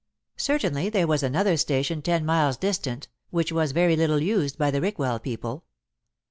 Certainly there was another station ten miles distant, which was very little used by the Rickwell people.